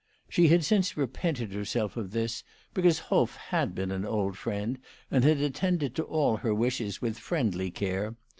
She had since /epented herself of this, because Hoff had been an old friend, and had attended to all her wishes with friendly care.